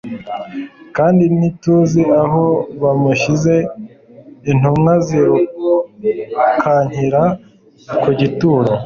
kandi ntituzi aho bamushyize" Intumwa zirukankira ku gituro